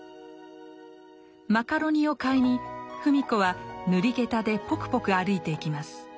マカロニを買いに芙美子は塗り下駄でポクポク歩いていきます。